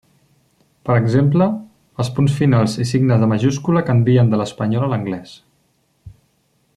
Per exemple, els punts finals i signe de majúscula canvien de l'espanyol a l'anglès.